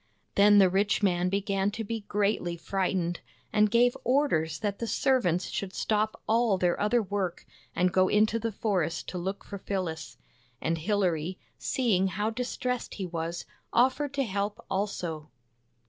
Then the rich man began to be greatly frightened, and gave orders that the servants should stop all their other work and go into the forest to look for Phyllis. And Hilary, seeing how distressed he was, offered to help also.